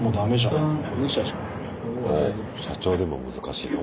おお社長でも難しいの？